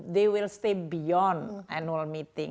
mereka akan tinggal di luar perjumpaan tahun